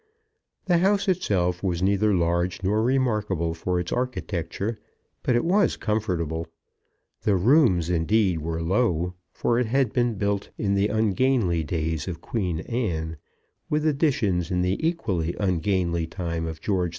The house itself was neither large nor remarkable for its architecture; but it was comfortable. The rooms indeed were low, for it had been built in the ungainly days of Queen Anne, with additions in the equally ungainly time of George II.